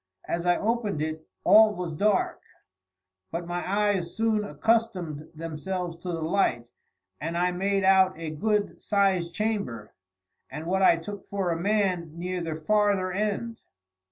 As I opened it all was dark; but my eyes soon accustomed themselves to the light, and I made out a good sized chamber and what I took for a man near the farther end.